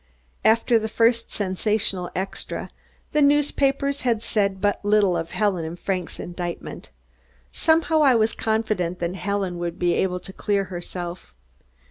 After the first sensational extra, the newspapers had said but little of Helen's and Frank's indictment. Somehow I was confident that Helen would be able to clear herself.